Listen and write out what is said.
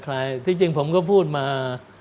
คล้ายที่จริงผมก็พูดมา